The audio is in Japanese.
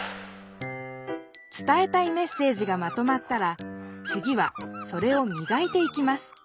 伝えたいメッセージがまとまったらつぎはそれをみがいていきます。